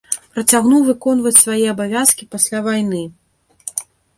Працягнуў выконваць свае абавязкі пасля вайны.